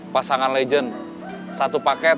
pasangan legend satu paket